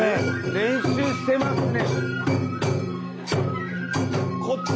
練習してますね。